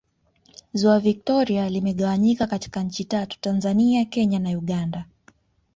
Ziwa Victoria limegawanyika katika Nchi tatu Tanzania Kenya na Uganda